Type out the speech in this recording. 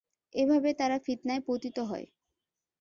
এভাবে তারা ফিতনায় পতিত হয়।